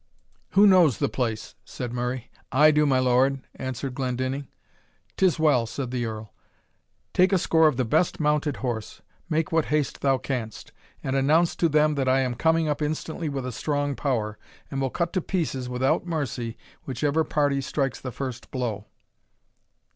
"Who knows the place?" said Murray. "I do, my lord," answered Glendinning. "'Tis well," said the Earl; "take a score of the best mounted horse make what haste thou canst, and announce to them that I am coming up instantly with a strong power, and will cut to pieces, without mercy, whichever party strikes the first blow.